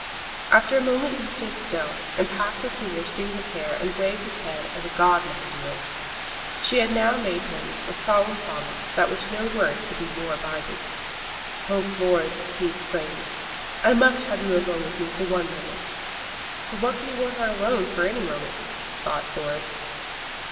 After a moment he stood still, and passed his fingers through his hair and waved his head as a god might do it. She had now made to him a solemn promise than which no words could be more binding. "Oh, Florence," he exclaimed, "I must have you alone with me for one moment." For what could he want her alone for any moment? thought Florence.